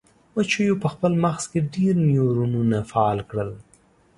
مچیو په خپل مغز کې ډیر نیورونونه فعال کړل.